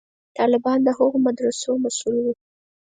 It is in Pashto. طالبان د هغو مدرسو محصول وو.